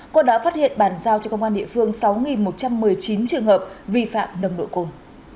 cô đã phát hiện bàn giao cho công an địa phương sáu một trăm một mươi chín trường hợp vi phạm nồng độ cồn